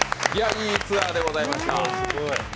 いいツアーでございました。